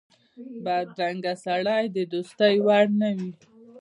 بدرنګه سړی د دوستۍ وړ نه وي